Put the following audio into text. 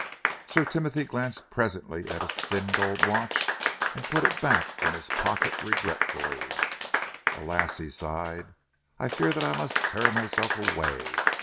Sir Timothy glanced presently at his thin gold watch and put it back in his pocket regretfully. "Alas!" he sighed, "I fear that I must tear myself away.